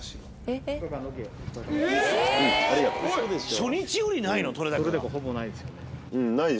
初日よりないの？